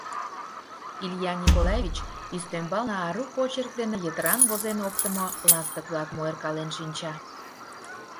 Илья Николаевич ӱстембалне ару почерк дене йытыран возен оптымо ластык-влакым ойыркален шинча.